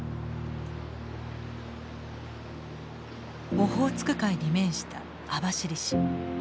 オホーツク海に面した網走市。